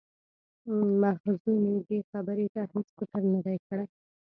مخزومي دې خبرې ته هیڅ فکر نه دی کړی.